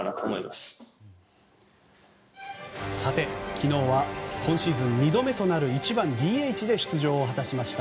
昨日は今シーズン２度目となる１番ＤＨで出場を果たしました。